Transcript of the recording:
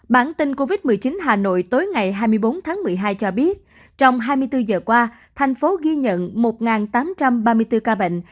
bản tin covid một mươi chín hà nội tối ngày hai mươi bốn tháng một mươi hai cho biết trong hai mươi bốn giờ qua thành phố ghi nhận một tám trăm ba mươi bốn ca bệnh